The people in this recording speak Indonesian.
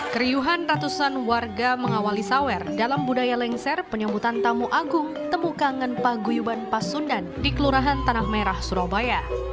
keriuhan ratusan warga mengawali sawer dalam budaya lengser penyambutan tamu agung temukangen paguyuban pasundan di kelurahan tanah merah surabaya